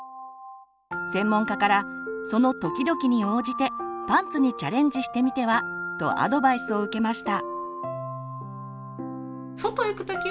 専門家から「その時々に応じてパンツにチャレンジしてみては」とアドバイスを受けました。